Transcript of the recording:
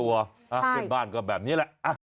เพื่อนบ้านก็แบบนี้แหละ